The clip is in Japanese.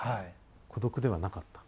孤独ではなかった？